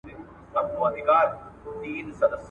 ولي مدام هڅاند د با استعداده کس په پرتله بریا خپلوي؟